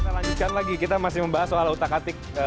kita lanjutkan lagi kita masih membahas soal utak atik